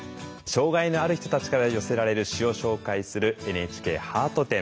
障害のある人たちから寄せられる詩を紹介するＮＨＫハート展。